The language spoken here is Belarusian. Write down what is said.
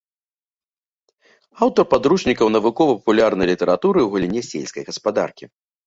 Аўтар падручнікаў навукова-папулярнай літаратуры ў галіне сельскай гаспадаркі.